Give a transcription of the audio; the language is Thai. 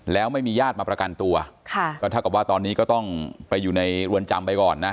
แล้วไม่มีญาติมาประกันตัวค่ะก็เท่ากับว่าตอนนี้ก็ต้องไปอยู่ในเรือนจำไปก่อนนะ